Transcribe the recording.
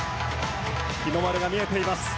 日の丸が見えています。